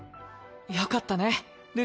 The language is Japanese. よかったね